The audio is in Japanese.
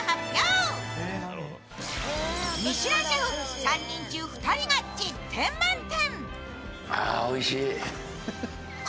ミシュランシェフ３人中２人が１０点満点。